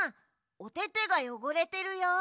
おててがよごれてるよ。